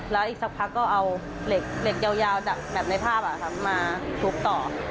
แล้วอีกสักพักก็เอาเหล็กยาวแบบในภาพมาทุบต่อ